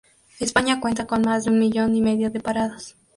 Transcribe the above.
España cuenta con más de un millón y medio de parados.